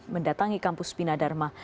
mendatangi kampus bina dharma